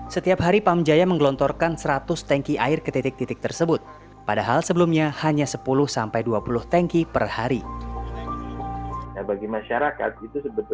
setiap hari pamjaya menggelontorkan seratus tanki air ke titik titik tersebut padahal sebelumnya hanya sepuluh sampai dua puluh tanki per hari